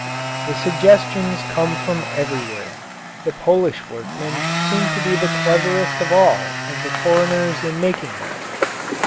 The suggestions come from everywhere. The Polish workmen seem to be the cleverest of all of the foreigners in making them.